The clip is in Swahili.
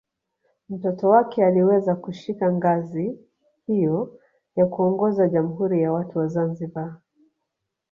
Mtoto wake aliweza kushika ngazi hiyo ya kuongoza Jamhuri ya watu wa Zanzibar